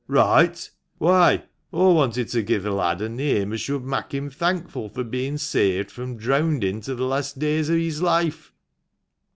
" Roight ! why, aw wanted to gi'e th' lad a neame as should mak' him thankful for bein' saved from dreawndin' to the last deays o' his loife."